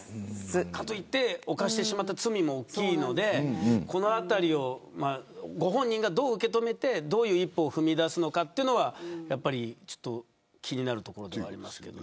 かといって犯してしまった罪も大きいのでご本人がどう受け止めてどういう一歩を踏み出すのか気になるところではあります。